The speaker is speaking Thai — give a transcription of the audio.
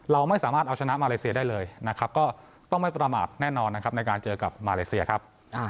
เราไม่สามารถเอาชนะมาเลเซียได้เลยนะครับก็ต้องไม่ประมาทแน่นอนนะครับในการเจอกับมาเลเซียครับ